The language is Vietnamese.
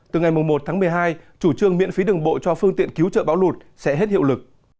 từ ngày một tháng một mươi hai chủ trương miễn phí đường bộ cho phương tiện cứu trợ bão lụt sẽ hết hiệu lực